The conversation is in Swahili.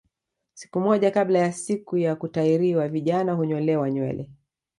Siku moja kabla ya siku ya kutahiriwa vijana hunyolewa nywele